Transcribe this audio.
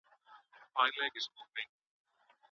موږ به هيڅکله د خلګو پيغورونه ونه منو.